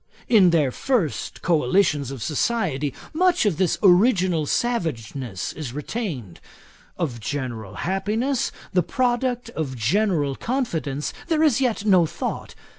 In their first coalitions of society, much of this original savageness is retained. Of general happiness, the product of general confidence, there is yet no thought.